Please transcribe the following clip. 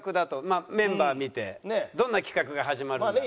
まあメンバー見てどんな企画が始まるのか。